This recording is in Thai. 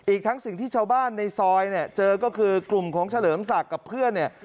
อีกทั้งสิ่งที่ชาวบ้านในซอยเนี่ยเจอก็คือกลุ่มของเฉลิมศักดิ์กับเพื่อนเนี่ย